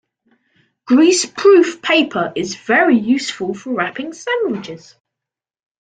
Greaseproof paper is very useful for wrapping sandwiches